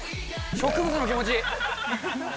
植物の気持ち？